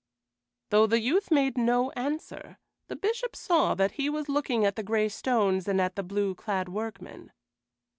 Though the youth made no answer, the Bishop saw that he was looking at the gray stones and at the blue clad workmen.